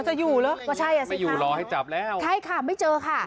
จะอยู่เหรอไม่อยู่รอให้จับแล้วใช่ค่ะไม่เจอค่ะ